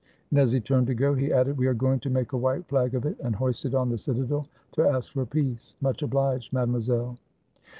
And as he turned to go he added: "We are going to make a white flag of it, and hoist it on the citadel, to ask for peace. Much obliged, mademoiselle."